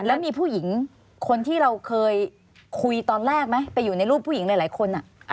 แล้วมีผู้หญิงคนที่เราเคยคุยตอนแรกไหมไปอยู่ในรูปผู้หญิงหลายคน